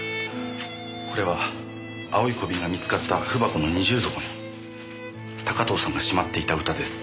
これは青い小瓶が見つかった文箱の二重底に高塔さんがしまっていた歌です。